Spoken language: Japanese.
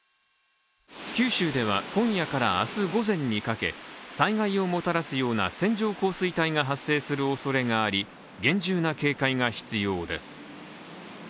九州では今夜から明日午前にかけ災害をもたらすような線状降水帯が発生するおそれがあり厳重な警戒が必要です。